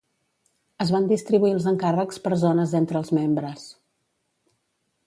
Es van distribuir els encàrrecs per zones entre els membres.